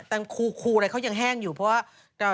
แต่งคูอะไรเขายังแห้งอยู่เพราะว่า